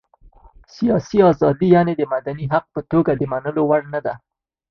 سياسي ازادي یې د مدني حق په توګه د منلو وړ نه ده.